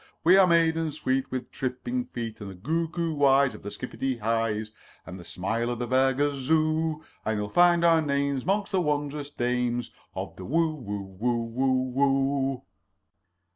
We are maidens sweet With tripping feet, And the googoo eyes Of the skippity hi's, And the smile of the fair gazoo; And you'll find our names 'Mongst the wondrous dames Of the Who's Who hoo hoo hoo."